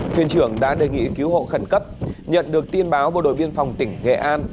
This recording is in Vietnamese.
thuyền trưởng đã đề nghị cứu hộ khẩn cấp nhận được tin báo bộ đội biên phòng tỉnh nghệ an